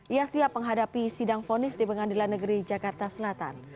ia siap menghadapi sidang fonis di pengadilan negeri jakarta selatan